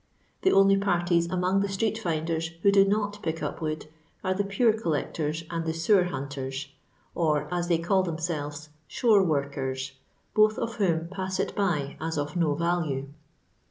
The only parties among the street finders who do not pick up wood are the Pure collectors and the sewer hunters, or, as they call themselves, shore workers, both of whom pass it by as of no value.